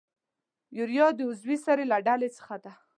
یوریا د عضوي سرو له ډلې څخه ده.